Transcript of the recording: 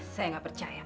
saya gak percaya